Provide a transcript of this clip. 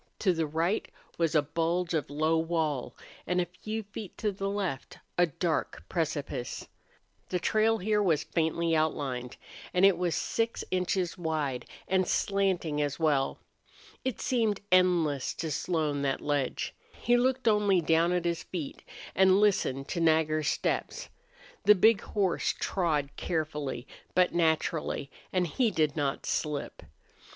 To the right was a bulge of low wall, and a few feet to the left a dark precipice. The trail here was faintly outlined, and it was six inches wide and slanting as well. It seemed endless to Slone, that ledge. He looked only down at his feet and listened to Nagger's steps. The big horse trod carefully, but naturally, and he did not slip.